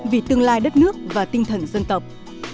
vì tương lai đất nước và tinh thần dân tộc